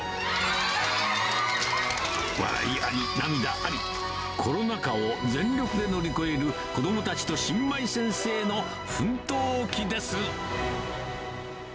笑いあり、涙あり、コロナ禍を全力で乗り越える子どもたちと新米先生の奮闘記です。